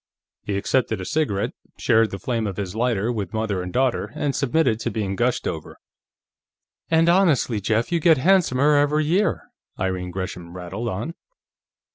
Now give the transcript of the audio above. He accepted a cigarette, shared the flame of his lighter with mother and daughter, and submitted to being gushed over. "... and, honestly, Jeff, you get handsomer every year," Irene Gresham rattled on.